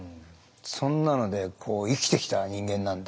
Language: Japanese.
そんなのでこう生きてきた人間なんで。